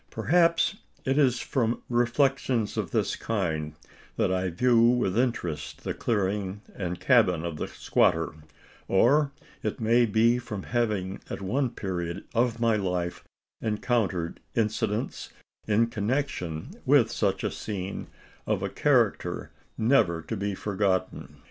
Perhaps it is from reflections of this kind, that I view with interest the clearing and cabin of the squatter; or it may be from having at one period of my life encountered incidents, in connection with such a scene, of a character never to be forgotten.